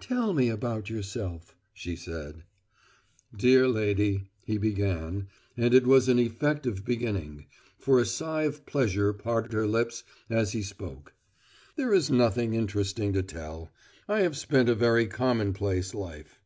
"Tell me about yourself," she said. "Dear lady," he began and it was an effective beginning, for a sigh of pleasure parted her lips as he spoke "there is nothing interesting to tell. I have spent a very commonplace life."